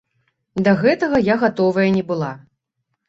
Да гэтага я гатовая не была.